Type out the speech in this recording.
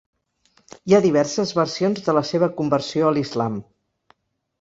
Hi ha diverses versions de la seva conversió a l'islam.